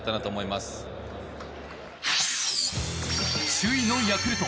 首位のヤクルト。